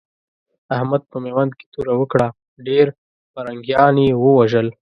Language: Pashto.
احمد په ميوند کې توره وکړه؛ ډېر پرنګيان يې ووژل.